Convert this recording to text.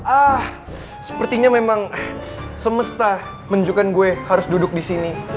ah sepertinya memang semesta menunjukkan gue harus duduk disini